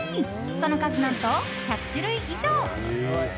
その数、何と１００種類以上！